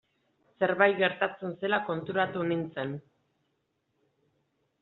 Zerbait gertatzen zela konturatu nintzen.